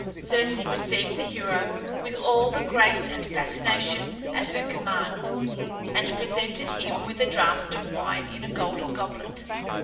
Circe received the hero with all the grace and fascination at her command, and presented him with a draught of wine in a golden goblet.